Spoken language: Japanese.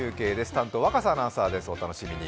担当、若狭アナウンサーですお楽しみに。